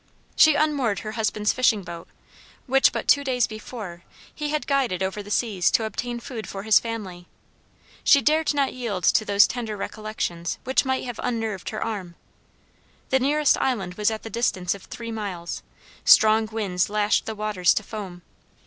She unmoored her husband's fishing boat, which, but two days before, he had guided over the seas to obtain food for his family. She dared not yield to those tender recollections which might have unnerved her arm. The nearest island was at the distance of three miles. Strong winds lashed the waters to foam.